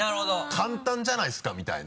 「簡単じゃないですか」みたいな。